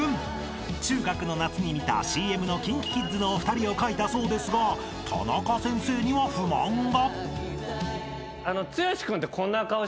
［中学の夏に見たＣＭのＫｉｎＫｉＫｉｄｓのお二人を描いたそうですがタナカ先生には不満が］